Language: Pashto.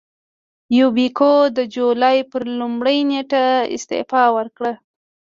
یوبیکو د جولای پر لومړۍ نېټه استعفا وکړه.